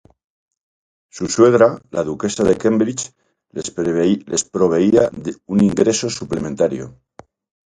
Su suegra, la Duquesa de Cambridge, les proveía un ingreso suplementario.